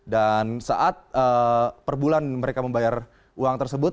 dan saat perbulan mereka membayar uang tersebut